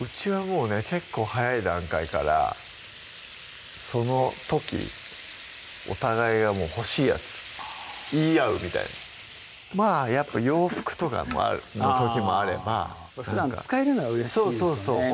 うちはもうね結構早い段階からその時お互いが欲しいやつ言い合うみたいなまぁやっぱ洋服とかの時もあればふだん使えるのがうれしいですよね